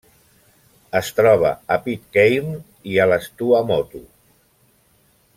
Es troba a Pitcairn i a les Tuamotu.